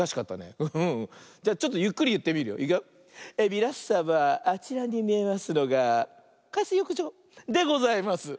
みなさまあちらにみえますのが「かいすよくじょ」でございます。